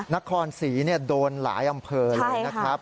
นครสีโดนหลายอำเภอเลย